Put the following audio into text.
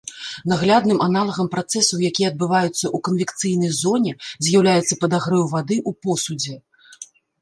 Наглядным аналагам працэсаў, якія адбываюцца ў канвекцыйнай зоне, з'яўляецца падагрэў вады ў посудзе.